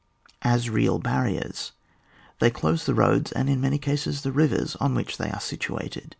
As real barriers, they close the roads, and in most cases the rivers, on which they are situated.